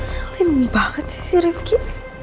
selim banget sih rifqi